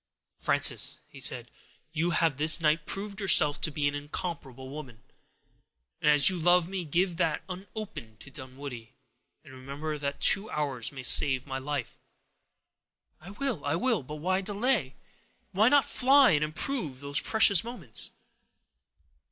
"Frances," he said, "you have this night proved yourself to be an incomparable woman. As you love me, give that unopened to Dunwoodie, and remember that two hours may save my life." "I will—I will; but why delay? Why not fly, and improve these precious moments?"